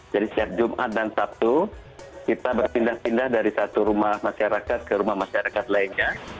jadi setiap jumat dan sabtu kita berpindah pindah dari satu rumah masyarakat ke rumah masyarakat lainnya